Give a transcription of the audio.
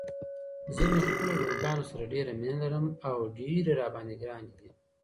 زه مې خپلو لورګانو سره ډيره مينه لرم او ډيرې راباندې ګرانې دي.